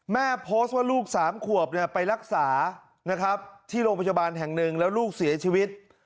แม่โพสต์ว่าลูก๓ขวบไปรักษานะครับที่โรงพยาบาลแห่งหนึ่งแล้วลูกเสียชีวิต